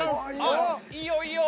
あっいいよいいよ。